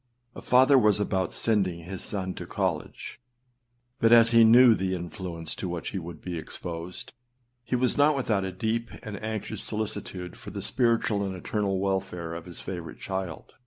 âA father was about sending his son to college; but as he knew the influence to which he would be exposed, he was not without a deep and anxious solicitude for the spiritual and eternal welfare of his favourite child.